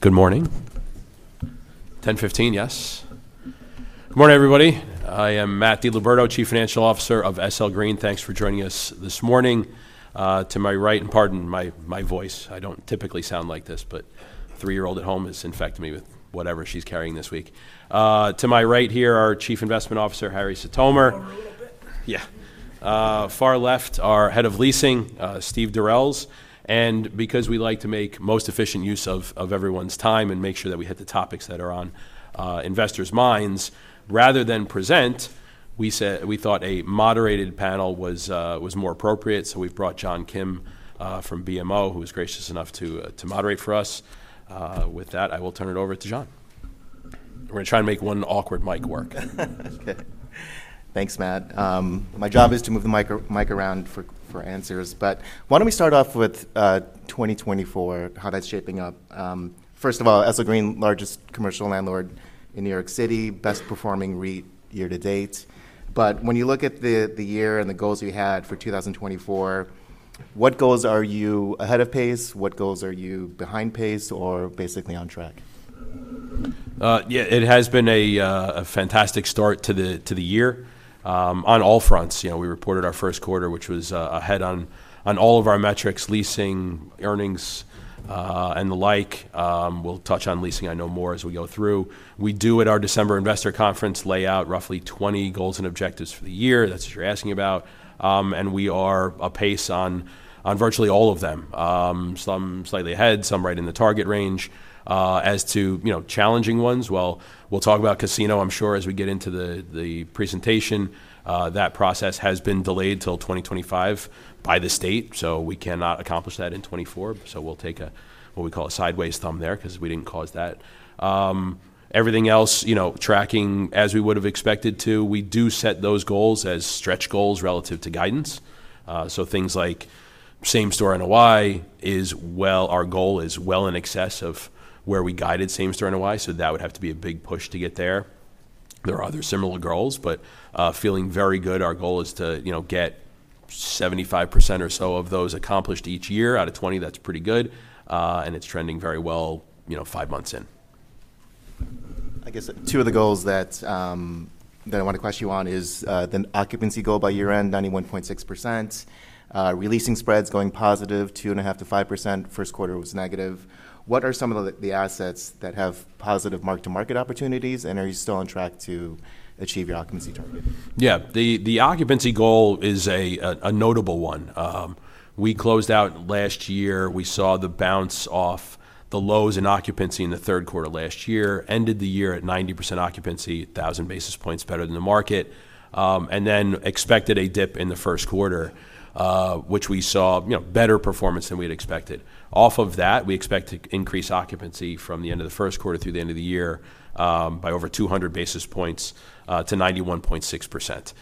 Good morning. 10:15, yes? Good morning, everybody. I am Matt DiLiberto, Chief Financial Officer of SL Green. Thanks for joining us this morning. To my right, and pardon my voice, I don't typically sound like this, but a three-year-old at home has infected me with whatever she's carrying this week. To my right here, our Chief Investment Officer, Harrison Sitomer. Move over a little bit. Yeah. Far left, our Head of Leasing, Steve Durels. Because we like to make most efficient use of everyone's time and make sure that we hit the topics that are on investors' minds, rather than present, we thought a moderated panel was more appropriate. So we've brought John Kim from BMO, who was gracious enough to moderate for us. With that, I will turn it over to John. We're gonna try to make one awkward mic work. Okay. Thanks, Matt. My job is to move the mic around for answers, but why don't we start off with 2024, how that's shaping up? First of all, SL Green, largest commercial landlord in New York City, best performing REIT year to date. But when you look at the year and the goals you had for 2024, what goals are you ahead of pace? What goals are you behind pace or basically on track? Yeah, it has been a fantastic start to the year, on all fronts. You know, we reported our Q1, which was ahead on all of our metrics, leasing, earnings, and the like. We'll touch on leasing, I know more as we go through. We do at our December investor conference, lay out roughly 20 goals and objectives for the year. That's what you're asking about. And we are apace on virtually all of them. Some slightly ahead, some right in the target range. As to, you know, challenging ones, well, we'll talk about casino, I'm sure, as we get into the presentation. That process has been delayed till 2025 by the state, so we cannot accomplish that in 2024. So we'll take a, what we call a sideways thumb there 'cause we didn't cause that. Everything else, you know, tracking as we would have expected to. We do set those goals as stretch goals relative to guidance. So things like same-store NOI is well... Our goal is well in excess of where we guided same-store NOI, so that would have to be a big push to get there. There are other similar goals, but, feeling very good. Our goal is to, you know, get 75% or so of those accomplished each year. Out of 20, that's pretty good, and it's trending very well, you know, five months in. I guess two of the goals that I want to question you on is the occupancy goal by year-end, 91.6%, releasing spreads going positive, 2.5%-5%, Q1 was negative. What are some of the assets that have positive mark-to-market opportunities, and are you still on track to achieve your occupancy target? Yeah. The occupancy goal is a notable one. We closed out last year. We saw the bounce off the lows in occupancy in the Q3 last year, ended the year at 90% occupancy, 1,000 basis points better than the market, and then expected a dip in the Q1, which we saw, you know, better performance than we'd expected. Off of that, we expect to increase occupancy from the end of the Q1 through the end of the year, by over 200 basis points, to 91.6%.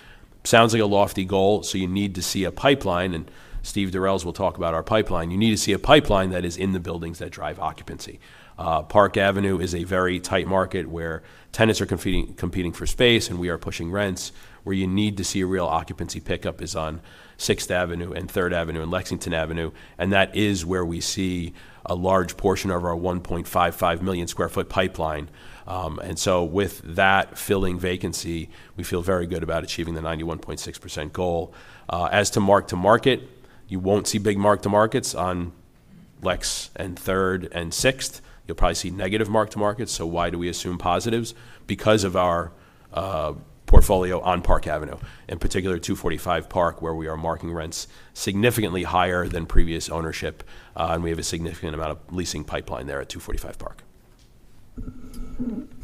Sounds like a lofty goal, so you need to see a pipeline, and Steve Durels will talk about our pipeline. You need to see a pipeline that is in the buildings that drive occupancy. Park Avenue is a very tight market where tenants are competing for space, and we are pushing rents. Where you need to see a real occupancy pickup is on Sixth Avenue and Third Avenue and Lexington Avenue, and that is where we see a large portion of our 1.55 million sq ft pipeline. And so with that filling vacancy, we feel very good about achieving the 91.6% goal. As to mark-to-market, you won't see big mark-to-markets on Lex and Third and Sixth. You'll probably see negative mark-to-markets, so why do we assume positives? Because of our portfolio on Park Avenue, in particular, 245 Park, where we are marking rents significantly higher than previous ownership, and we have a significant amount of leasing pipeline there at 245 Park.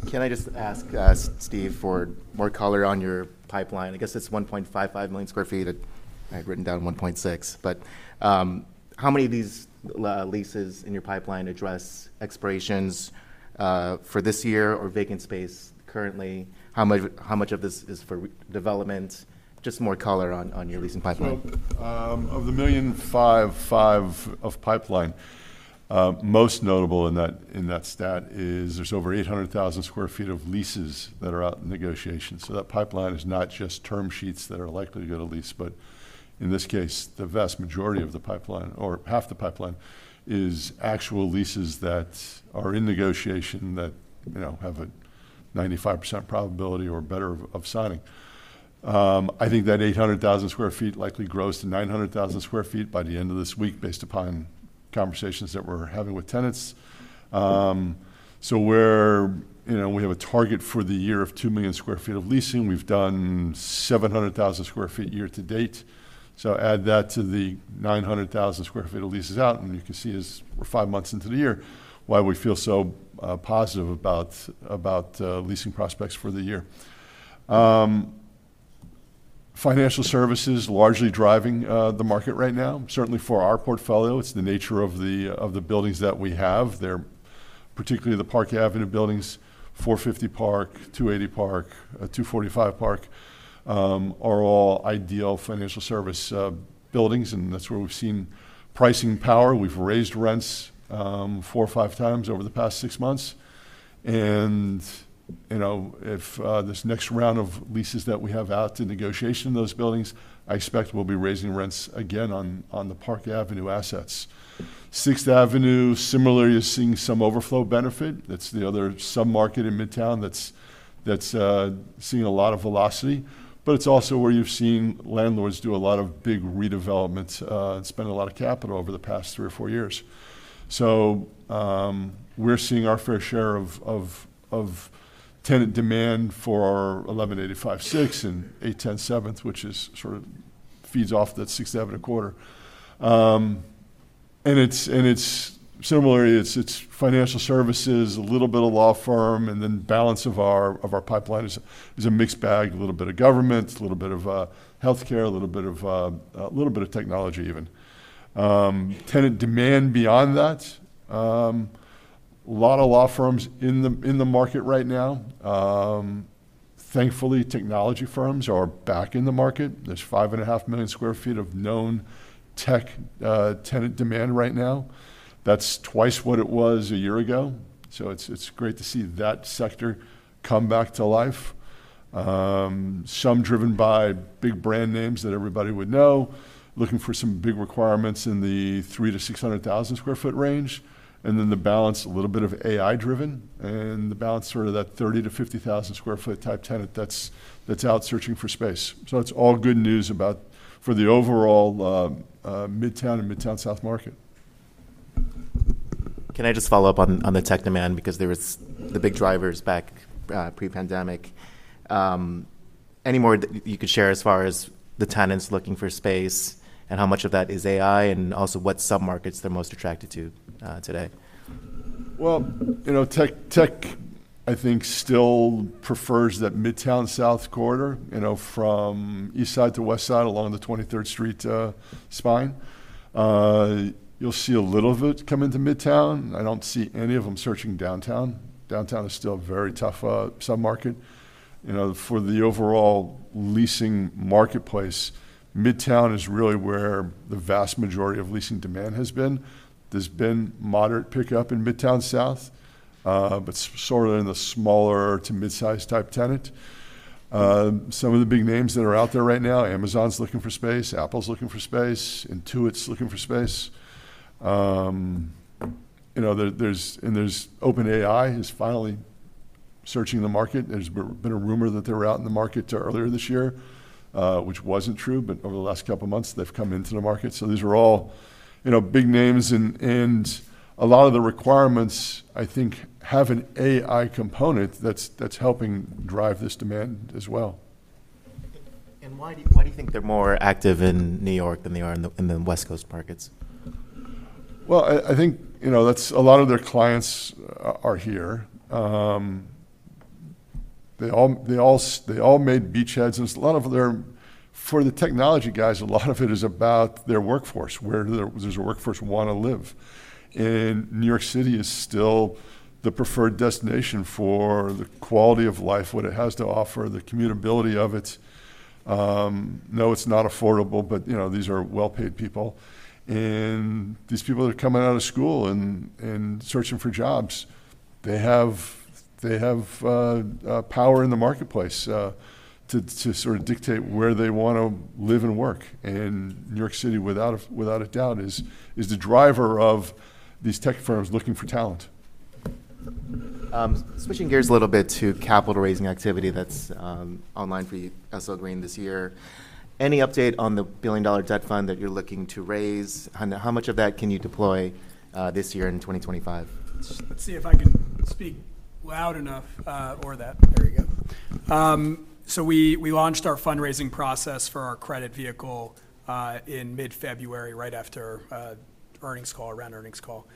Can I just ask, Steve, for more color on your pipeline? I guess it's 1.55 million sq ft. I had written down 1.6. But, how many of these leases in your pipeline address expirations for this year or vacant space currently? How much, how much of this is for redevelopment? Just more color on your leasing pipeline. Of the 1.55 million of pipeline, most notable in that, in that stat is there's over 800,000 sq ft of leases that are out in negotiation. That pipeline is not just term sheets that are likely to get a lease, but in this case, the vast majority of the pipeline or half the pipeline is actual leases that are in negotiation that, you know, have a 95% probability or better of signing. I think that 800,000 sq ft likely grows to 900,000 sq ft by the end of this week, based upon conversations that we're having with tenants. We're... You know, we have a target for the year of 2 million sq ft of leasing. We've done 700,000 sq ft year to date. So add that to the 900,000 square feet of leases out, and you can see as we're 5 months into the year, why we feel so positive about leasing prospects for the year. Financial services largely driving the market right now. Certainly for our portfolio, it's the nature of the buildings that we have. They're particularly the Park Avenue buildings, 450 Park Avenue, 280 Park Avenue, 245 Park Avenue, are all ideal financial service buildings, and that's where we've seen pricing power. We've raised rents 4 or 5 times over the past 6 months. And you know, if this next round of leases that we have out to negotiation in those buildings, I expect we'll be raising rents again on the Park Avenue assets. Sixth Avenue, similarly, is seeing some overflow benefit. That's the other submarket in Midtown that's seeing a lot of velocity, but it's also where you've seen landlords do a lot of big redevelopments and spend a lot of capital over the past 3 or 4 years. So, we're seeing our fair share of tenant demand for our 1185 Sixth and 810 Seventh, which sort of feeds off that Sixth Avenue Quarter. And it's similarly, it's financial services, a little bit of law firm, and then balance of our pipeline is a mixed bag, a little bit of government, a little bit of healthcare, a little bit of technology even. Tenant demand beyond that, a lot of law firms in the market right now. Thankfully, technology firms are back in the market. There's 5.5 million sq ft of known tech tenant demand right now. That's twice what it was a year ago, so it's great to see that sector come back to life. Some driven by big brand names that everybody would know, looking for some big requirements in the 300,000-600,000 sq ft range, and then the balance, a little bit of AI driven, and the balance, sort of that 30,000-50,000 sq ft type tenant that's out searching for space. So it's all good news about for the overall Midtown and Midtown South market. Can I just follow up on, on the tech demand? Because there was the big drivers back pre-pandemic. Any more that you could share as far as the tenants looking for space, and how much of that is AI, and also what submarkets they're most attracted to today? Well, you know, tech, I think, still prefers that Midtown South corridor, you know, from East Side to West Side, along the 23rd Street spine. You'll see a little of it come into Midtown. I don't see any of them searching Downtown. Downtown is still a very tough submarket. You know, for the overall leasing marketplace, Midtown is really where the vast majority of leasing demand has been. There's been moderate pickup in Midtown South, but sort of in the smaller to mid-size type tenant. Some of the big names that are out there right now, Amazon's looking for space, Apple's looking for space, Intuit's looking for space. You know, and there's OpenAI, who's finally searching the market. There's been a rumor that they were out in the market earlier this year, which wasn't true, but over the last couple of months, they've come into the market. So these are all, you know, big names, and a lot of the requirements, I think, have an AI component that's helping drive this demand as well. Why do you, why do you think they're more active in New York than they are in the, in the West Coast markets? Well, I think, you know, that's a lot of their clients are here. They all made beachheads, and a lot of their-- for the technology guys, a lot of it is about their workforce, where does their workforce wanna live? And New York City is still the preferred destination for the quality of life, what it has to offer, the commutability of it. No, it's not affordable, but, you know, these are well-paid people, and these people are coming out of school and searching for jobs. They have power in the marketplace to sort of dictate where they want to live and work. And New York City, without a doubt, is the driver of these tech firms looking for talent. Switching gears a little bit to capital raising activity that's online for you, SL Green, this year. Any update on the billion-dollar debt fund that you're looking to raise? And how much of that can you deploy this year in 2025? Let's see if I can speak loud enough. There we go. So we launched our fundraising process for our credit vehicle in mid-February, right after earnings call, around earnings call.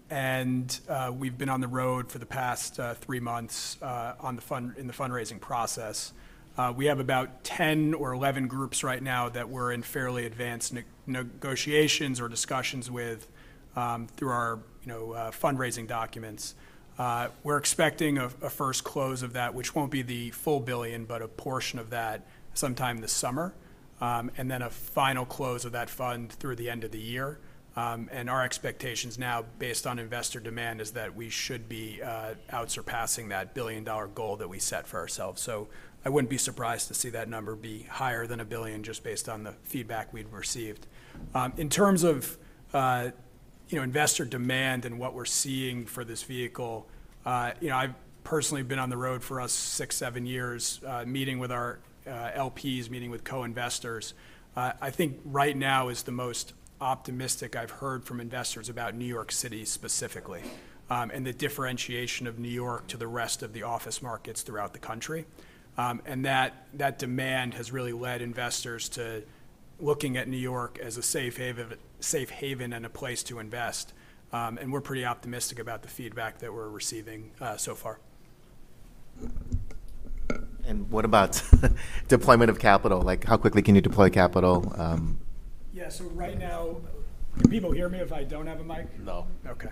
We've been on the road for the past three months in the fundraising process. We have about 10 or 11 groups right now that we're in fairly advanced negotiations or discussions with, through our, you know, fundraising documents. We're expecting a first close of that, which won't be the full $1 billion, but a portion of that sometime this summer, and then a final close of that fund through the end of the year. And our expectations now, based on investor demand, is that we should be out surpassing that billion-dollar goal that we set for ourselves. So I wouldn't be surprised to see that number be higher than $1 billion, just based on the feedback we've received. In terms of, you know, investor demand and what we're seeing for this vehicle, you know, I've personally been on the road for 6-7 years, meeting with our LPs, meeting with co-investors. I think right now is the most optimistic I've heard from investors about New York City specifically, and the differentiation of New York to the rest of the office markets throughout the country. And that demand has really led investors to looking at New York as a safe haven and a place to invest, and we're pretty optimistic about the feedback that we're receiving, so far. What about deployment of capital? Like, how quickly can you deploy capital? ...Yeah, so right now, can people hear me if I don't have a mic? No. Okay.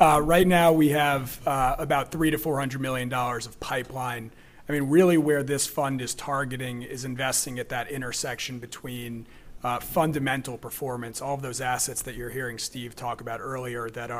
Right now we have about $300 million-$400 million of pipeline. I mean, really, where this fund is targeting is investing at that intersection between fundamental performance, all of those assets that you're hearing Steve talk about earlier that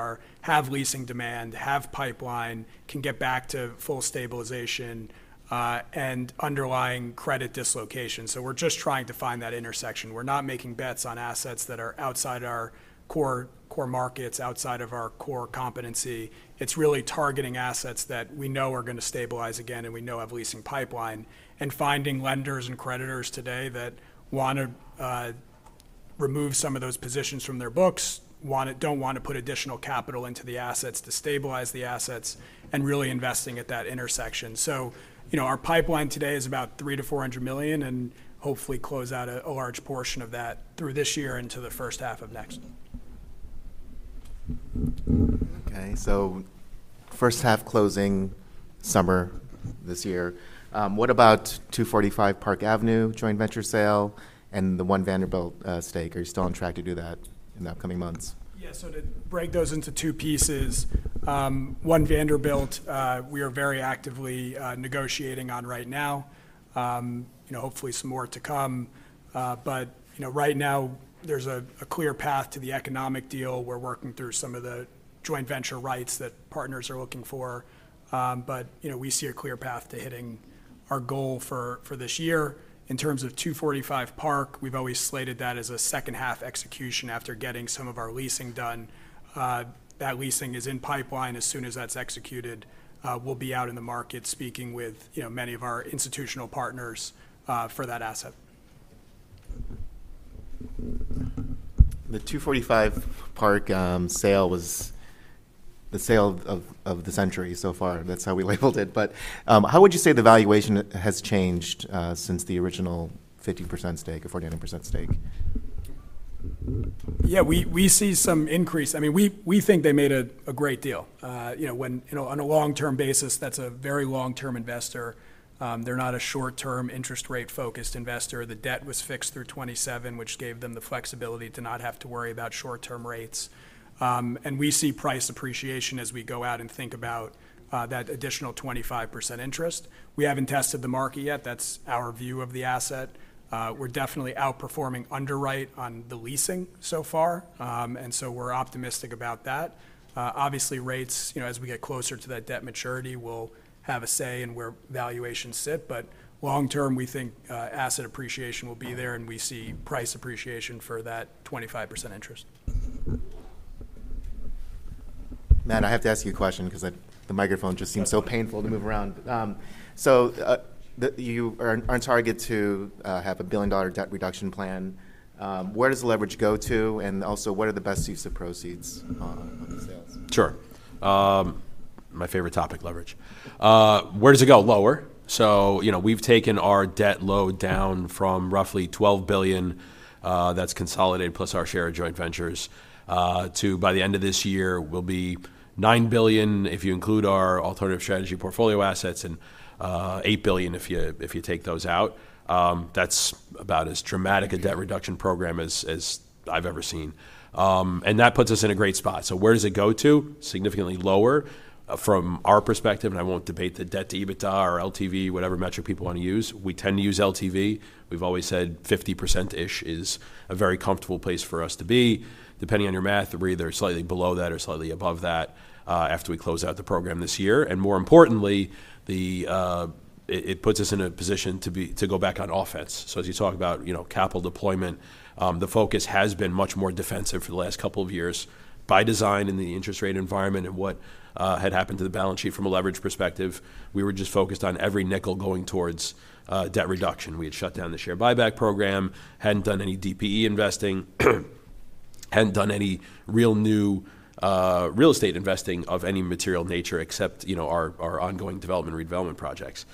have leasing demand, have pipeline, can get back to full stabilization, and underlying credit dislocation. So we're just trying to find that intersection. We're not making bets on assets that are outside our core, core markets, outside of our core competency. It's really targeting assets that we know are going to stabilize again and we know have leasing pipeline, and finding lenders and creditors today that want to remove some of those positions from their books, don't want to put additional capital into the assets to stabilize the assets, and really investing at that intersection. You know, our pipeline today is about $300 million-$400 million, and hopefully close out a large portion of that through this year into the first half of next. Okay, so first half closing summer this year. What about 245 Park Avenue joint venture sale and the One Vanderbilt stake? Are you still on track to do that in the upcoming months? Yeah, so to break those into two pieces, One Vanderbilt, we are very actively negotiating on right now. You know, hopefully some more to come, but, you know, right now there's a clear path to the economic deal. We're working through some of the joint venture rights that partners are looking for. But, you know, we see a clear path to hitting our goal for this year. In terms of 245 Park, we've always slated that as a second-half execution after getting some of our leasing done. That leasing is in pipeline. As soon as that's executed, we'll be out in the market speaking with, you know, many of our institutional partners, for that asset. The 245 Park sale was the sale of the century so far. That's how we labeled it. But how would you say the valuation has changed since the original 50% stake, or 49% stake? Yeah, we see some increase. I mean, we think they made a great deal. You know, on a long-term basis, that's a very long-term investor. They're not a short-term, interest-rate-focused investor. The debt was fixed through 2027, which gave them the flexibility to not have to worry about short-term rates. And we see price appreciation as we go out and think about that additional 25% interest. We haven't tested the market yet. That's our view of the asset. We're definitely outperforming underwrite on the leasing so far, and so we're optimistic about that. Obviously, rates, you know, as we get closer to that debt maturity, will have a say in where valuations sit, but long term, we think asset appreciation will be there, and we see price appreciation for that 25% interest. Matt, I have to ask you a question because the microphone just seems so painful to move around. So, you are on target to have a billion-dollar debt reduction plan. Where does the leverage go to? And also, what are the best use of proceeds on the sales? Sure. My favorite topic, leverage. Where does it go? Lower. So, you know, we've taken our debt load down from roughly $12 billion, that's consolidated, plus our share of joint ventures, to by the end of this year, we'll be $9 billion if you include our alternative strategy portfolio assets and, $8 billion if you take those out. That's about as dramatic a debt reduction program as I've ever seen. And that puts us in a great spot. So where does it go to? Significantly lower. From our perspective, and I won't debate the debt-to-EBITDA or LTV, whatever metric people want to use, we tend to use LTV. We've always said 50%-ish is a very comfortable place for us to be. Depending on your math, we're either slightly below that or slightly above that, after we close out the program this year. And more importantly, it puts us in a position to go back on offense. So as you talk about, you know, capital deployment, the focus has been much more defensive for the last couple of years by design in the interest rate environment and what had happened to the balance sheet from a leverage perspective. We were just focused on every nickel going towards debt reduction. We had shut down the share buyback program, hadn't done any DPE investing, hadn't done any real new real estate investing of any material nature except, you know, our ongoing development and redevelopment projects.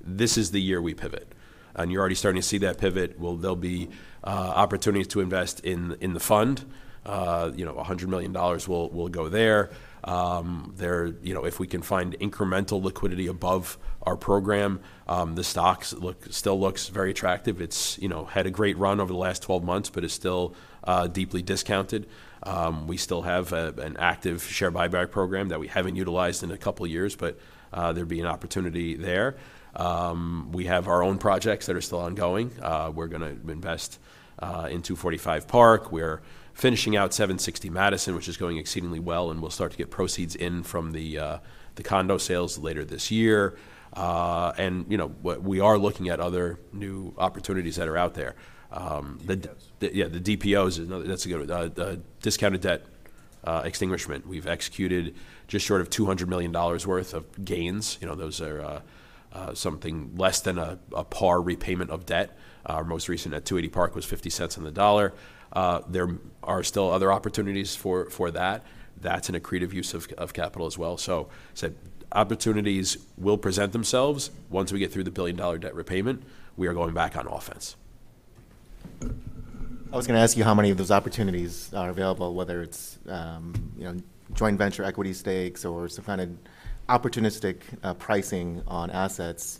This is the year we pivot, and you're already starting to see that pivot. Well, there'll be opportunities to invest in the fund. You know, $100 million will go there. You know, if we can find incremental liquidity above our program, the stock still looks very attractive. It's, you know, had a great run over the last 12 months, but is still deeply discounted. We still have an active share buyback program that we haven't utilized in a couple of years, but there'd be an opportunity there. We have our own projects that are still ongoing. We're gonna invest in 245 Park. We're finishing out 760 Madison, which is going exceedingly well, and we'll start to get proceeds in from the condo sales later this year. And, you know, we are looking at other new opportunities that are out there. Um- The DPOs. Yeah, the DPOs is another... That's a good one. The discounted debt extinguishment, we've executed just short of $200 million worth of gains. You know, those are something less than a par repayment of debt. Our most recent at 280 Park Avenue was 50 cents on the dollar. There are still other opportunities for that. That's an accretive use of capital as well. So said, opportunities will present themselves once we get through the billion-dollar debt repayment. We are going back on offense.... I was going to ask you how many of those opportunities are available, whether it's, you know, joint venture equity stakes or some kind of opportunistic pricing on assets.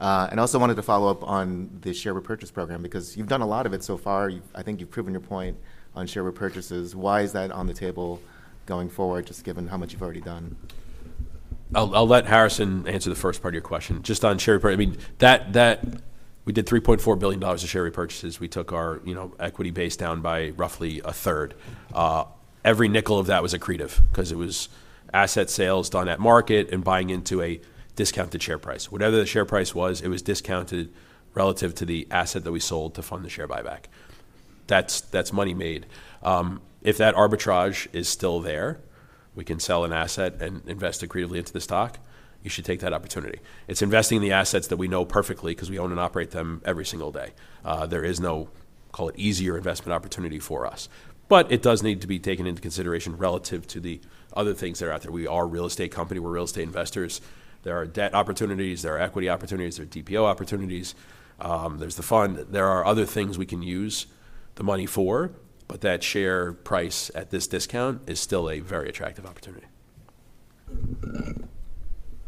And I also wanted to follow up on the share repurchase program, because you've done a lot of it so far. I think you've proven your point on share repurchases. Why is that on the table going forward, just given how much you've already done? I'll let Harrison answer the first part of your question. Just on share repurchases, we did $3.4 billion of share repurchases. We took our, you know, equity base down by roughly a third. Every nickel of that was accretive because it was asset sales done at market and buying into a discounted share price. Whatever the share price was, it was discounted relative to the asset that we sold to fund the share buyback. That's money made. If that arbitrage is still there, we can sell an asset and invest accretively into the stock. You should take that opportunity. It's investing in the assets that we know perfectly 'cause we own and operate them every single day. There is no, call it, easier investment opportunity for us. But it does need to be taken into consideration relative to the other things that are out there. We are a real estate company. We're real estate investors. There are debt opportunities, there are equity opportunities, there are DPO opportunities, there's the fund. There are other things we can use the money for, but that share price at this discount is still a very attractive opportunity.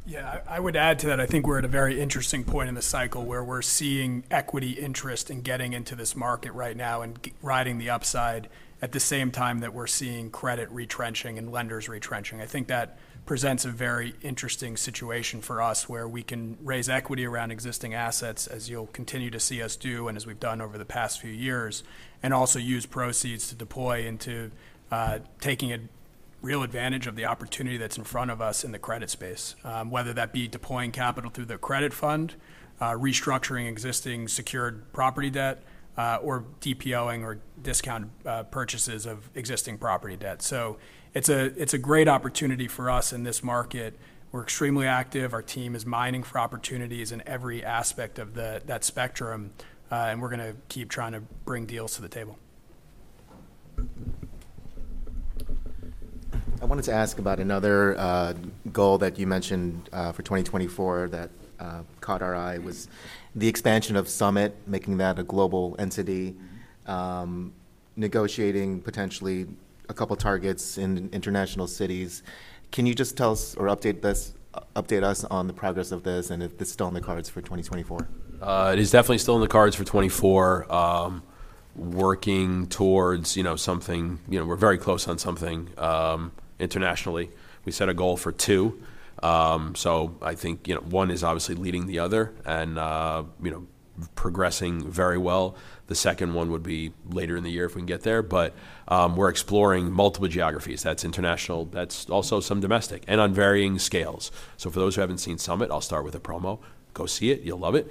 Yeah, I would add to that. I think we're at a very interesting point in the cycle where we're seeing equity interest in getting into this market right now and riding the upside at the same time that we're seeing credit retrenching and lenders retrenching. I think that presents a very interesting situation for us, where we can raise equity around existing assets, as you'll continue to see us do and as we've done over the past few years, and also use proceeds to deploy into taking a real advantage of the opportunity that's in front of us in the credit space. Whether that be deploying capital through the credit fund, restructuring existing secured property debt, or DPO-ing or discount purchases of existing property debt. So it's a great opportunity for us in this market. We're extremely active. Our team is mining for opportunities in every aspect of that spectrum, and we're going to keep trying to bring deals to the table. I wanted to ask about another goal that you mentioned for 2024, that caught our eye, was the expansion of Summit, making that a global entity, negotiating potentially a couple targets in international cities. Can you just tell us or update us on the progress of this and if it's still in the cards for 2024? It is definitely still in the cards for 2024. Working towards, you know, something... You know, we're very close on something internationally. We set a goal for two. So I think, you know, one is obviously leading the other and, you know, progressing very well. The second one would be later in the year if we can get there. But, we're exploring multiple geographies. That's international, that's also some domestic, and on varying scales. So for those who haven't seen Summit, I'll start with a promo. Go see it. You'll love it.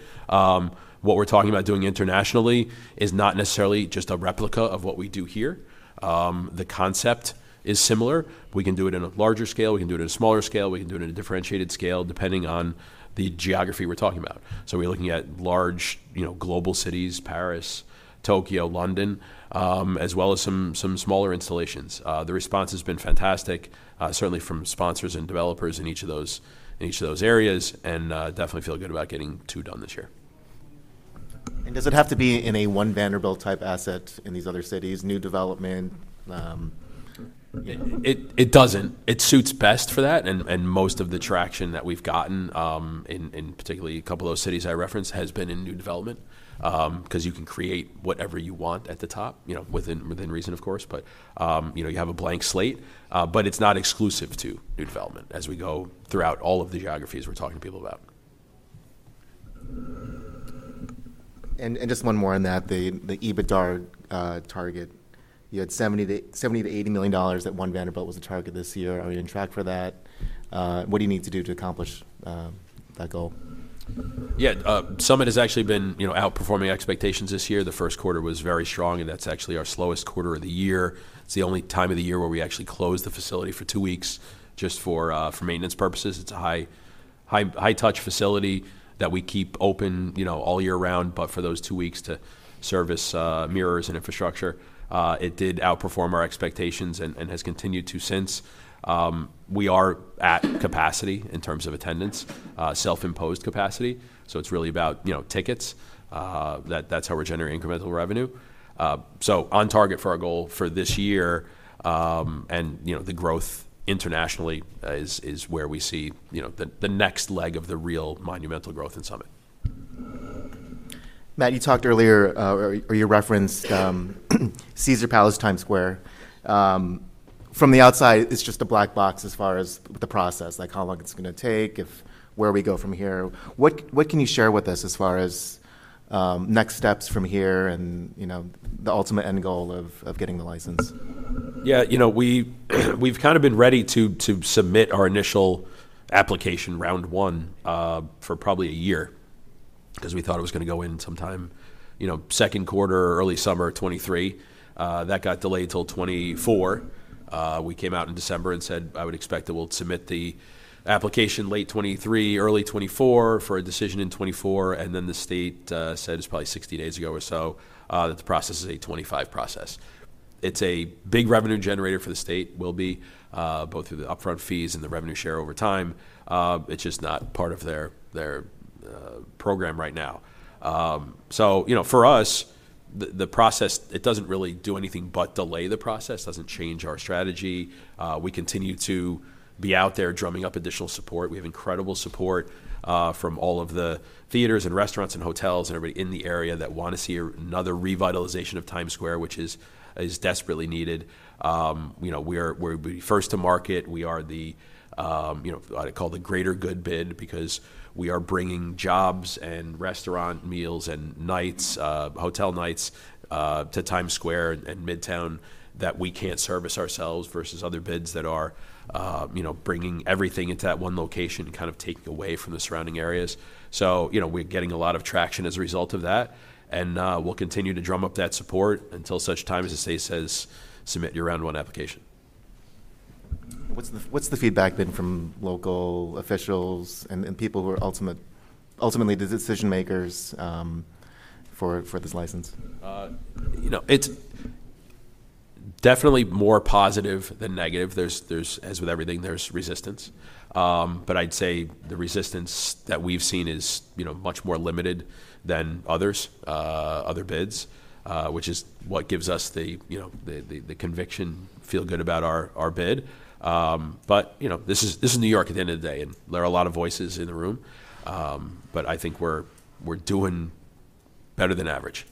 What we're talking about doing internationally is not necessarily just a replica of what we do here. The concept is similar. We can do it in a larger scale, we can do it in a smaller scale, we can do it in a differentiated scale, depending on the geography we're talking about. So we're looking at large, you know, global cities: Paris, Tokyo, London, as well as some smaller installations. The response has been fantastic, certainly from sponsors and developers in each of those areas, and definitely feel good about getting 2 done this year. Does it have to be in a One Vanderbilt type asset in these other cities, new development? It doesn't. It suits best for that, and most of the traction that we've gotten, in particular, a couple of those cities I referenced, has been in new development. 'Cause you can create whatever you want at the top, you know, within reason, of course. But, you know, you have a blank slate. But it's not exclusive to new development as we go throughout all of the geographies we're talking to people about. Just one more on that, the EBITDA target. You had $70 million-$80 million at One Vanderbilt was the target this year. Are we on track for that? What do you need to do to accomplish that goal? Yeah, Summit has actually been, you know, outperforming expectations this year. The Q1 was very strong, and that's actually our slowest quarter of the year. It's the only time of the year where we actually close the facility for two weeks just for, for maintenance purposes. It's a high, high, high-touch facility that we keep open, you know, all year round, but for those two weeks to service, mirrors and infrastructure. It did outperform our expectations and has continued to since. We are at capacity in terms of attendance, self-imposed capacity. So it's really about, you know, tickets. That, that's how we're generating incremental revenue. So on target for our goal for this year, and, you know, the growth internationally, is where we see, you know, the next leg of the real monumental growth in Summit. Matt, you talked earlier or you referenced Caesars Palace Times Square. From the outside, it's just a black box as far as the process, like, how long it's going to take, or where we go from here. What can you share with us as far as next steps from here and, you know, the ultimate end goal of getting the license? Yeah, you know, we, we've kind of been ready to, to submit our initial application, round one, for probably a year, 'cause we thought it was going to go in sometime, you know, Q2, early summer of 2023. That got delayed till 2024. We came out in December and said, "I would expect that we'll submit the application late 2023, early 2024, for a decision in 2024." And then the state said, it was probably 60 days ago or so, that the process is a 2025 process. It's a big revenue generator for the state, will be, both through the upfront fees and the revenue share over time. It's just not part of their, their, program right now. So, you know, for us, the, the process, it doesn't really do anything but delay the process. Doesn't change our strategy. We continue to be out there drumming up additional support. We have incredible support from all of the theaters and restaurants and hotels and everybody in the area that want to see another revitalization of Times Square, which is desperately needed. You know, we're first to market. We are the, you know, I call it the greater good bid, because we are bringing jobs and restaurant meals, and nights, hotel nights, to Times Square and Midtown that we can't service ourselves, versus other bids that are, you know, bringing everything into that one location and kind of taking away from the surrounding areas. You know, we're getting a lot of traction as a result of that, and we'll continue to drum up that support until such time as the state says, "Submit your Round One application. What's the feedback been from local officials and people who are ultimately the decision makers for this license? You know, it's definitely more positive than negative. There's. As with everything, there's resistance. But I'd say the resistance that we've seen is, you know, much more limited than others, other bids, which is what gives us the, you know, conviction, feel good about our bid. But, you know, this is New York at the end of the day, and there are a lot of voices in the room. But I think we're doing better than average.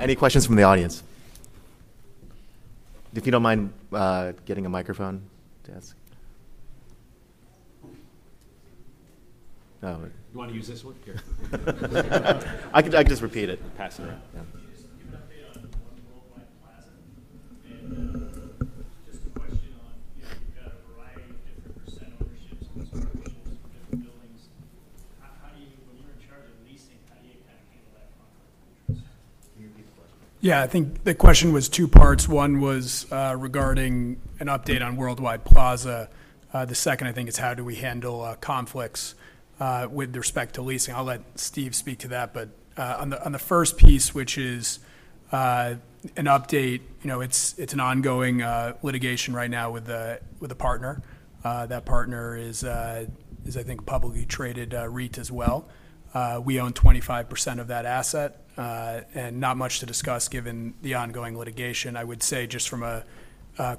Any questions from the audience? If you don't mind, getting a microphone to ask. You want to use this one? Here. I can just repeat it and pass it around. Yeah. Can you just give an update on Worldwide Plaza? And just a question on, you know, you've got a variety of different percent ownerships and structures for different buildings. How do you, when you're in charge of leasing, how do you kind of handle that conflict of interest? Can you repeat the question? Yeah, I think the question was two parts. One was, regarding an update on Worldwide Plaza. The second, I think, is how do we handle, conflicts, with respect to leasing? I'll let Steve speak to that. But, on the first piece, which is, an update, you know, it's an ongoing, litigation right now with a, with a partner. That partner is, I think, a publicly traded, REIT as well. We own 25% of that asset, and not much to discuss, given the ongoing litigation. I would say just from a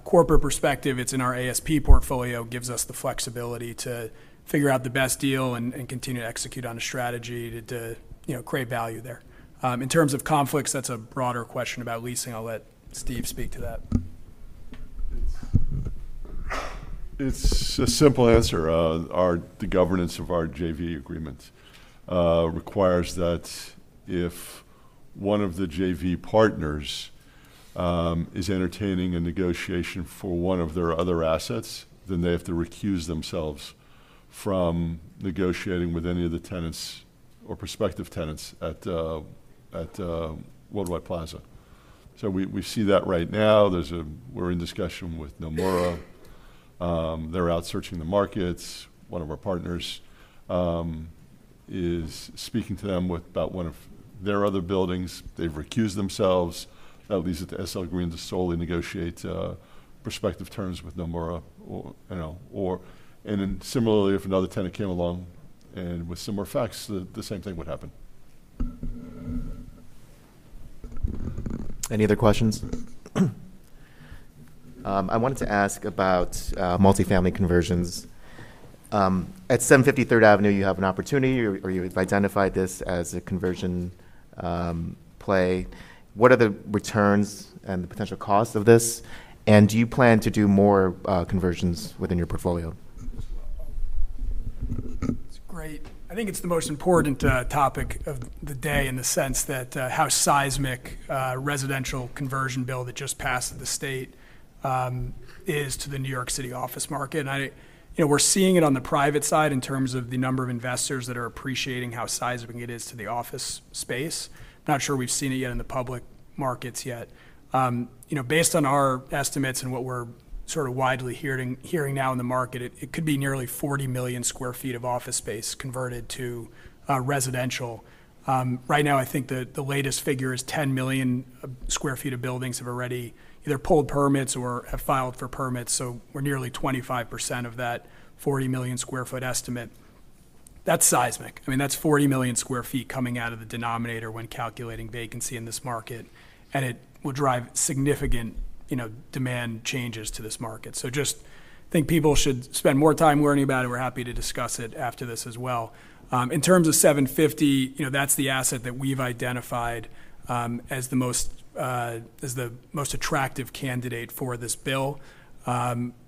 corporate perspective, it's in our ASP portfolio, gives us the flexibility to figure out the best deal and continue to execute on a strategy to, you know, create value there. In terms of conflicts, that's a broader question about leasing. I'll let Steve speak to that. It's a simple answer. The governance of our JV agreements requires that if one of the JV partners is entertaining a negotiation for one of their other assets, then they have to recuse themselves from negotiating with any of the tenants or prospective tenants at Worldwide Plaza. So we see that right now. We're in discussion with Nomura. They're out searching the markets. One of our partners is speaking to them about one of their other buildings. They've recused themselves. That leaves it to SL Green to solely negotiate prospective terms with Nomura or, you know, or. And then similarly, if another tenant came along with similar facts, the same thing would happen. Any other questions? I wanted to ask about multifamily conversions. At 750 Third Avenue, you have an opportunity, or, or you've identified this as a conversion play. What are the returns and the potential costs of this, and do you plan to do more conversions within your portfolio? It's great. I think it's the most important topic of the day, in the sense that how seismic residential conversion bill that just passed the state is to the New York City office market. And I You know, we're seeing it on the private side in terms of the number of investors that are appreciating how seismic it is to the office space. Not sure we've seen it yet in the public markets. You know, based on our estimates and what we're sort of widely hearing now in the market, it could be nearly 40 million sq ft of office space converted to residential. Right now, I think the latest figure is 10 million sq ft of buildings have already either pulled permits or have filed for permits, so we're nearly 25% of that 40-million-sq-ft estimate. That's seismic. I mean, that's 40 million sq ft coming out of the denominator when calculating vacancy in this market, and it will drive significant, you know, demand changes to this market. So, just think, people should spend more time learning about it. We're happy to discuss it after this as well. In terms of 750, you know, that's the asset that we've identified as the most attractive candidate for this bill.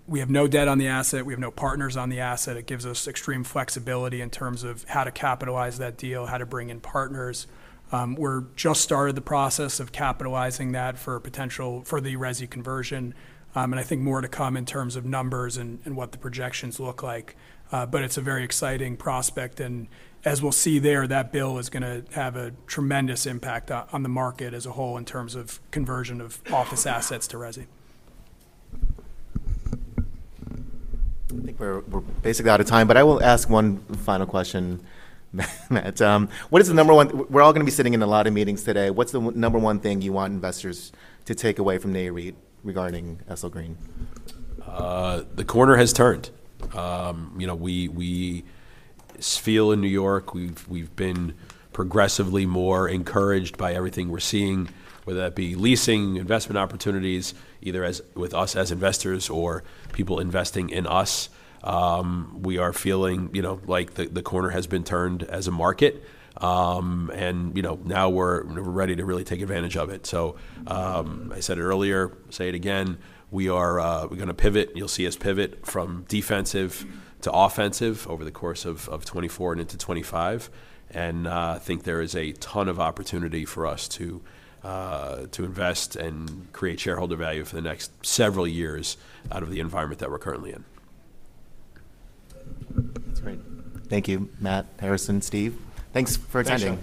We have no debt on the asset. We have no partners on the asset. It gives us extreme flexibility in terms of how to capitalize that deal, how to bring in partners. We're just started the process of capitalizing that for potential for the resi conversion, and I think more to come in terms of numbers and what the projections look like. But it's a very exciting prospect, and as we'll see there, that bill is gonna have a tremendous impact on the market as a whole in terms of conversion of office assets to resi. I think we're basically out of time, but I will ask one final question, Matt. We're all gonna be sitting in a lot of meetings today. What's the number one thing you want investors to take away from NAREIT regarding SL Green? The corner has turned. You know, we, we feel in New York, we've, we've been progressively more encouraged by everything we're seeing, whether that be leasing, investment opportunities, either as with us as investors or people investing in us. We are feeling, you know, like the, the corner has been turned as a market. And you know, now we're, we're ready to really take advantage of it. So, I said it earlier, say it again: we are, we're gonna pivot, and you'll see us pivot from defensive to offensive over the course of 2024 and into 2025. And, I think there is a ton of opportunity for us to, to invest and create shareholder value for the next several years out of the environment that we're currently in. That's great. Thank you, Matt, Harrison, Steve. Thanks for attending.